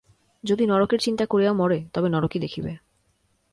যদি নরকের চিন্তা করিয়া মরে, তবে নরকই দেখিবে।